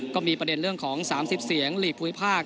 ก็มีประเด็นเรื่องของ๓๐เสียงหลีกภูมิภาค